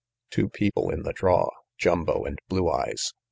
Two people in the draw Jumbo and Blue Eyes!